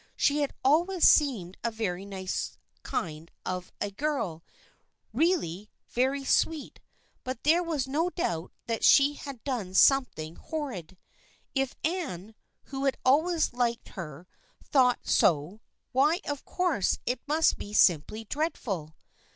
She had always seemed a very nice kind of a girl, really very sweet, but there was no doubt that she had done something horrid. If Anne, who had always liked her, thought so, why of course it must be simply dreadful.